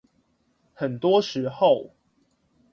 很多時候